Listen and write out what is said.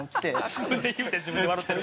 自分で言うて自分で笑うてる。